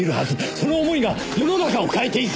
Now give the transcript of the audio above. その思いが世の中を変えていく！